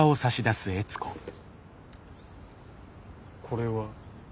これは？